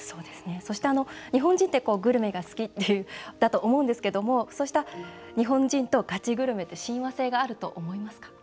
そして、日本人ってグルメが好きだと思うんですけどそうした日本人とガチグルメって親和性があると思いますか？